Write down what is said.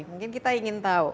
mungkin kita ingin tahu